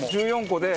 １４個で。